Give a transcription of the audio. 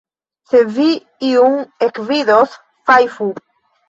Se vi iun ekvidos, fajfu!